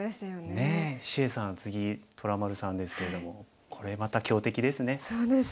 ねえ謝さん次虎丸さんですけれどもこれまた強敵ですね。